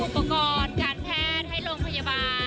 เป็นเทสนั่นแหละค่ะ